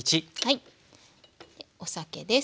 お酒です。